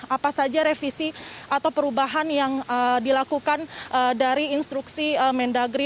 apa saja revisi atau perubahan yang dilakukan dari instruksi mendagri